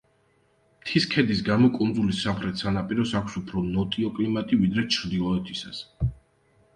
მთის ქედის გამო კუნძულის სამხრეთ სანაპიროს აქვს უფრო ნოტიო კლიმატი, ვიდრე ჩრდილოეთისას.